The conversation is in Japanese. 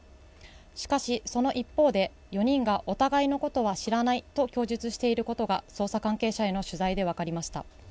しかし、その一方で、４人がお互いのことは知らないと供述していることが捜査関係者への取材で分かりました。